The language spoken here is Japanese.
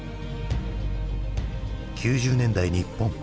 ９０年代日本。